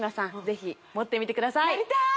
ぜひ持ってみてくださいやりたい！